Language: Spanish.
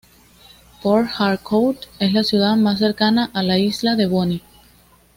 Port Harcourt es la ciudad más cercana a la isla de Bonny.